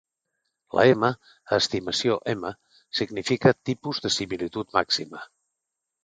La M a estimació-M significa "tipus de similitud màxima".